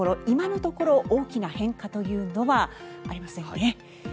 今のところ大きな変化というのはありませんね。